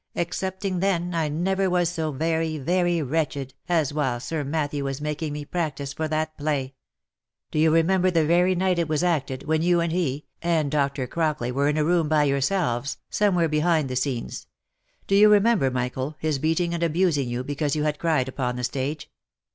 excepting then, I never was ' so very, very wretched as while Sir Matthew was making me practise for that p la y !" u Do you remember the very night it was acted, when you, and he, and Dr. Crockley were in a room by yourselves, somewhere behind the scenes; do you remember, Michael, his beating and abusing you because you had cried upon the stage